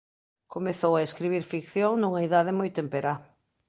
Comezou a escribir ficción nunha idade moi temperá.